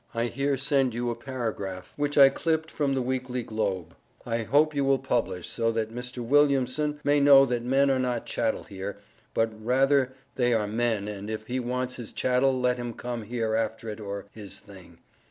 I here send you a paragraph which I clipted from the weekly Glob. I hope you will publish so that Mr. Williamson may know that men are not chattel here but reather they are men and if he wants his chattle let him come here after it or his thing.